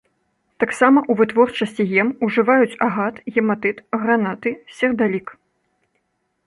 Таксама ў вытворчасці гем ужываюць агат, гематыт, гранаты, сердалік.